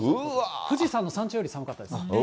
富士山の山頂より寒かったです。